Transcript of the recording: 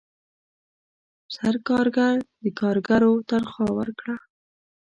سرکارګر د کارګرو تنخواه ورکړه.